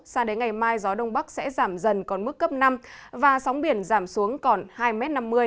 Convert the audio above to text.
sao đến ngày mai gió đông bắc sẽ giảm dần còn mức cấp năm và sóng biển giảm xuống còn hai năm mươi m